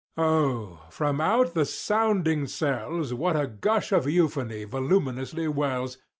Oh, from out the sounding cells, What a gush of euphony voluminously wells!